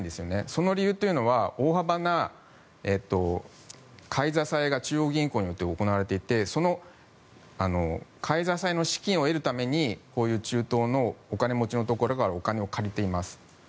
その理由というのは大幅な買い支えが中央銀行において行われていてその買い支えの資金を得るためにこういう中東のお金持ちのところからお金を借りています。